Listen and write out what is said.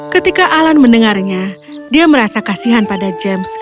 ketika alan mendengarnya dia merasa kasihan pada james